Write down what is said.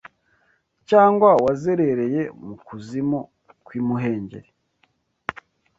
Cyangwa wazerereye mu kuzimu kw’imuhengeri?